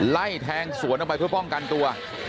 ไล่แทงสวนออกไปเพื่อป้องกันตัว